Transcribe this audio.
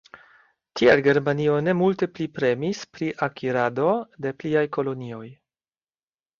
Tiel Germanio ne multe pli premis pri akirado de pliaj kolonioj.